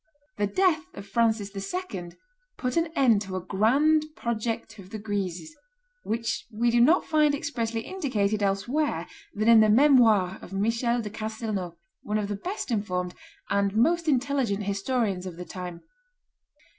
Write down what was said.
The death of Francis II. put an end to a grand project of the Guises, which we do not find expressly indicated elsewhere than in the Memoires of Michael de Castelnau, one of the best informed and most intelligent historians of the time.